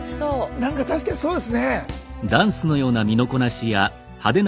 何か確かにそうですね。